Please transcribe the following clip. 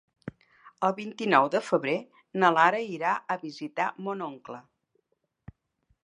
El vint-i-nou de febrer na Lara irà a visitar mon oncle.